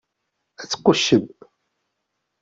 Ad tquccem!